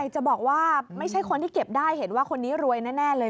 จะบอกว่าไม่ใช่คนที่เก็บได้เห็นว่าคนนี้รวยแน่เลย